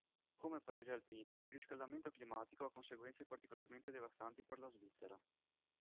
Come Paese alpino, il riscaldamento climatico ha conseguenze particolarmente devastanti per la Svizzera.